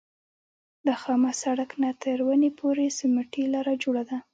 له خامه سړک نه تر ونې پورې سمټي لاره جوړه ده.